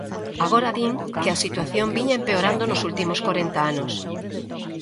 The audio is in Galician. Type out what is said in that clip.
Agora din que a situación viña empeorando nos últimos corenta anos.